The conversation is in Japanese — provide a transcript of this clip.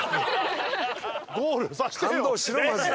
ゴールさせてよ！